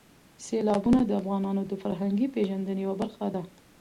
سیلابونه د افغانانو د فرهنګي پیژندنې یوه برخه ده.